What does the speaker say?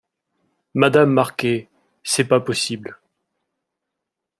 Madame Marquet… c’est pas possible.